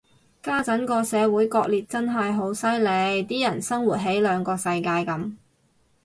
家陣個社會割裂真係好犀利，啲人生活喺兩個世界噉